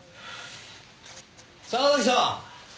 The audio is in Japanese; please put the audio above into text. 坂崎さん！